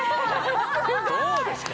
どうですか？